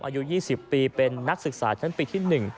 อายุ๒๐ปีเป็นนักศึกษาชั้นปีที่๑